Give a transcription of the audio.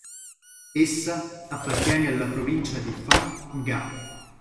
Essa appartiene alla provincia di Phang Nga.